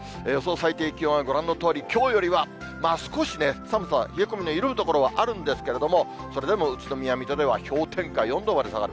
最低気温はご覧のとおり、きょうよりは少し寒さは、冷え込みの緩む所はあるんですけれども、それでも宇都宮、水戸では氷点下４度まで下がる。